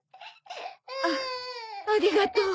あありがとう。